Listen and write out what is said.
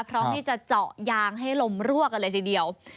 พร้อมที่จะเจาะยางให้ลมรั่วกันเลยทีเดียว